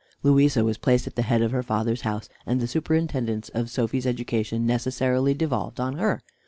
Louisa was placed at the head of her father's house, and the superintendence of Sophy's education necessarily devolved on her.